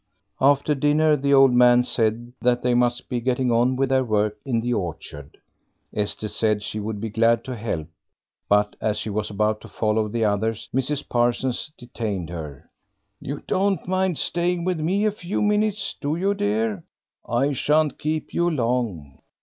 After dinner the old man said that they must be getting on with their work in the orchard. Esther said she would be glad to help, but as she was about to follow the others Mrs. Parsons detained her. "You don't mind staying with me a few minutes, do you, dear? I shan't keep you long."